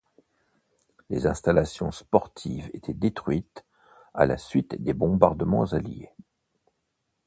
Les installations sportives étaient détruites à la suite des bombardements alliés.